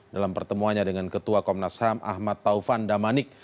dalam pertemuannya dengan ketua komnas ham ahmad taufan damanik